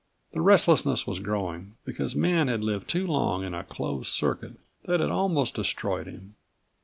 The restlessness was growing because Man had lived too long in a closed circuit that had almost destroyed him.